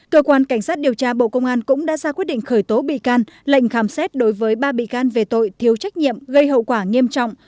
cơ quan cảnh sát điều tra bộ công an cũng đã ra quyết định khởi tố bị can lệnh khám xét đối với ba bị can về tội thiếu trách nhiệm gây hậu quả nghiêm trọng